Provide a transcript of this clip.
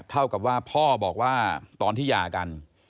เท่ากับว่าพ่อบอกว่าตอนที่หย่ากัน